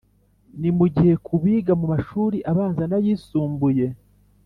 Ni mu gihe ku biga mu mashuri abanza n’ayisumbuye